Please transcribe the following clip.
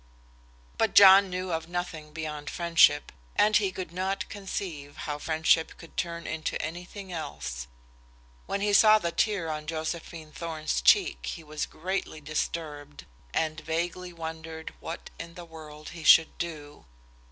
But John knew of nothing beyond friendship, and he could not conceive how friendship could turn into anything else. When he saw the tear on Josephine Thorn's cheek he was greatly disturbed, and vaguely wondered what in the world he should do.